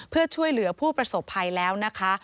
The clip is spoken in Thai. เพื่อช่วยเหลือผู้ประสบภัยแล้วนะคะ